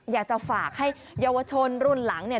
อยากจะฝากให้เยาวชนรุ่นหลังเนี่ย